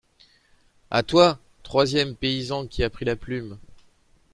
A toi ! troisième paysan qui a pris la plume.